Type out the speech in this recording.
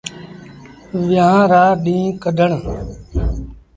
ويهآݩ رآ ڏيٚݩهݩ ڪڍڻ۔